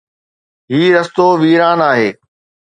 هي رستو ويران آهي